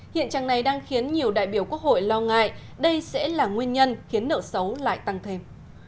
hiện trạng này đang khiến nhiều đại biểu quốc hội lo ngại đây sẽ là nguyên nhân khiến nợ xấu lại tăng thêm